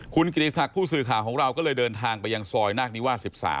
คุณกิติศักดิ์ผู้สื่อข่าวของเราก็เลยเดินทางไปยังซอยนาคนิวาส๑๓